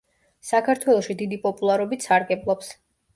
საქართველოში დიდი პოპულარობით სარგებლობს.